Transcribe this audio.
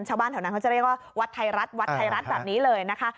ชาวบ้านแถวนั้นเขาจะเรียกว่าวัดไทยรัฐวัดไทยรัฐแบบนี้เลยนะคะ